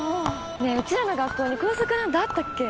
ねえうちらの学校に校則なんてあったっけ？